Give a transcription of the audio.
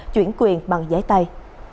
chuyển quyền bằng giấy tay